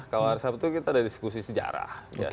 kalau hari sabtu kita ada diskusi sejarah